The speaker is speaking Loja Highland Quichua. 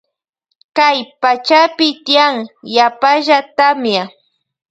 Kay pachapi tiyan yapalla tamia.